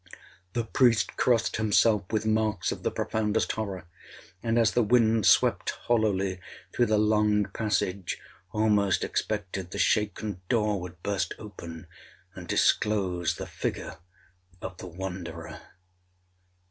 The priest crossed himself with marks of the profoundest horror, and, as the wind swept hollowly through the long passage, almost expected the shaken door would burst open, and disclose the figure of the Wanderer.